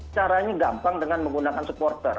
caranya gampang dengan menggunakan supporter